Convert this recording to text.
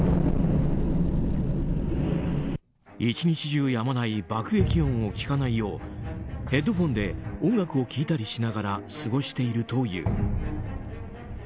１日中やまない爆撃音を聞かないようヘッドフォンで音楽を聴いたりしながら過ごしているという。